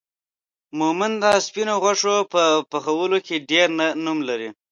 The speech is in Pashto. مومند دا سپينو غوښو په پخولو کې ډير نوم لري